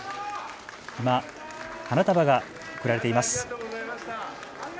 今、花束が贈られています。